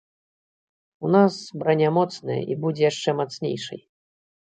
У нас браня моцная, і будзе яшчэ мацнейшай.